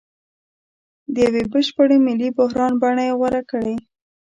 د یوه بشپړ ملي بحران بڼه یې غوره کړې.